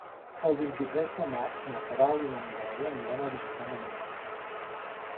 El vint-i-tres de maig na Queralt i na Mireia aniran a visitar mon oncle.